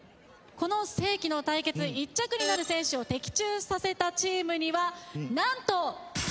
この世紀の対決１着になる選手を的中させたチームにはなんと！